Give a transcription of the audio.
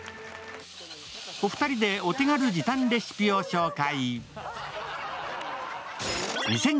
お二人でお手軽時短レシピを紹介。